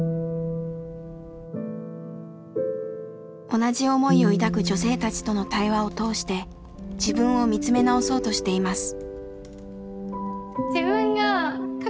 同じ思いを抱く女性たちとの対話を通して自分を見つめ直そうとしています。